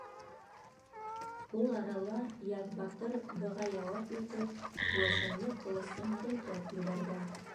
Ул арала Яҙбатыр быға яуап итеп йәшенле ҡылысын һелтәп ебәргән.